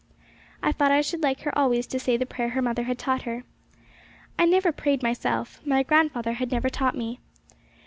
I thought I should like her always to say the prayer her mother had taught her. I never prayed myself my grandfather had never taught me.